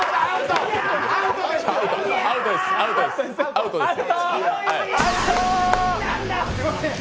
アウトです。